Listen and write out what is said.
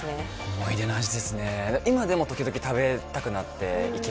思い出の味ですね